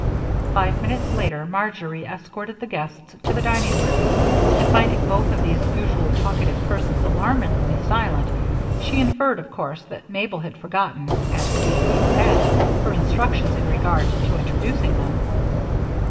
Five minutes later, Marjory escorted the guests to the dining room, and, finding both of these usually talkative persons alarmingly silent, she inferred of course that Mabel had forgotten as indeed Mabel had her instructions in regard to introducing them.